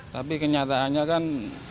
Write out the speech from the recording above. tapi kenyataannya kan